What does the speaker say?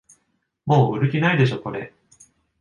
もう売る気ないでしょこれ